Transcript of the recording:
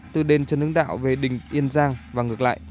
tư đền trần hương đạo về đình yên giang và ngược lại